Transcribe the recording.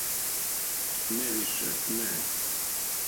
Не више, не!